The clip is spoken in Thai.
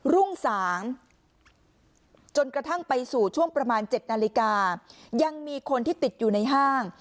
รุ่งสางจนกระทั่งไปสู่ช่วงประมาณ๗นาฬิกายังมีคนที่ติดอยู่ในห้าง